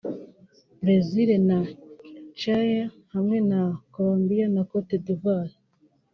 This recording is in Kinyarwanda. Brazil na Chile hamwe na Colombia na Cote d’Ivoire